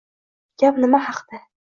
Gap nima haqida?